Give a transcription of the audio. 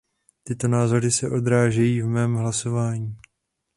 Tyto názory se odrážejí v mém hlasování.